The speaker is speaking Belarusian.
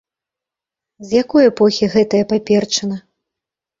З якой эпохі гэтая паперчына?